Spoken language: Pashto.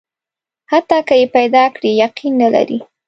حتی که یې پیدا کړي، یقین نه لري.